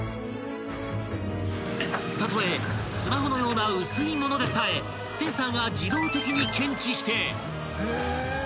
［たとえスマホのような薄い物でさえセンサーが自動的に検知して］